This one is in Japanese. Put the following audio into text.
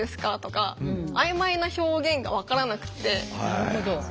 なるほど。